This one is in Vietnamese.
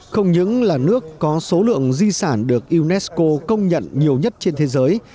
không những là nước có số lượng di sản được unesco công nhận nhiều nhất trên thế giới